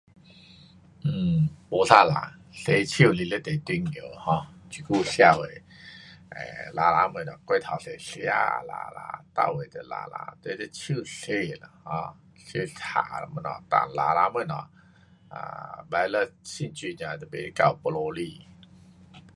um 没 salah, 洗手是非常重要的 um 这久社会 um 肮脏东西过头多，吃也肮脏，每位都肮脏。就是手洗了，um 洗清了什么，哒肮脏东西，virus 细菌才就不到肚子里。